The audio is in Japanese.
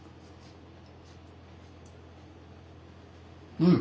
うん！